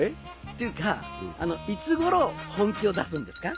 っていうかいつ頃本気を出すんですか？